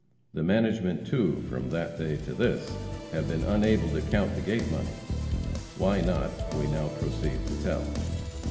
The management, too, from that day to this, have been unable to count the gate money. Why not we now proceed to tell.